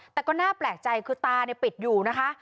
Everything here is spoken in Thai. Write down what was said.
แต่ก็น่าแปลกใจคือตาปิดอยู่นะคะ